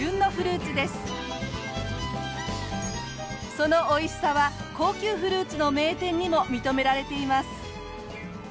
そのおいしさは高級フルーツの名店にも認められています。